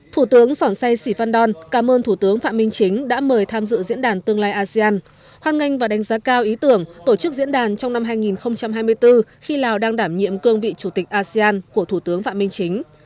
thủ tướng sòn say sì phan đon cảm ơn thủ tướng phạm minh chính đã mời tham dự diễn đàn tương lai asean hoan nghênh và đánh giá cao ý tưởng tổ chức diễn đàn trong năm hai nghìn hai mươi bốn khi lào đang đảm nhiệm cương vị chủ tịch asean của thủ tướng phạm minh chính